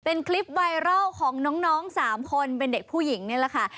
เป็นคลิปไวรัลของน้อง๓คนเป็นเด็กผู้หญิงนี่แหละค่ะ